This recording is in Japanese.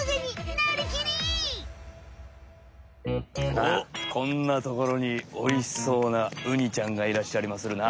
おっこんなところにおいしそうなウニちゃんがいらっしゃりまするな。